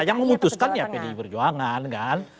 yang memutuskan ya pdi perjuangan kan